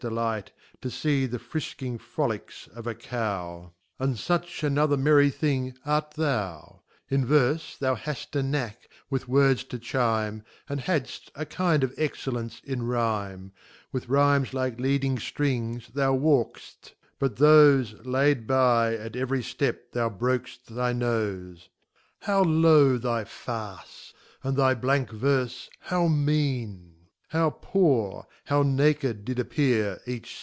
delight, To fee the frisking frOlicks of a Cow ;. And fuch another merry thing art Thou< In Verfe, thou haft a knack,, with words to chime, And had'it. a kind of Excellence in Rime : With Rimes like leadmg ftrings, thou walk'dft. jbu% W<J by, ai; every ftep thou brok'ft thyNofe. ^ th ° re How low thy Farce! and thy blank Verfe how mean^ How poor, how naked did appear each.